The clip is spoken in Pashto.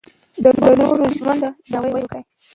د نورو ژوند ته درناوی وکړئ.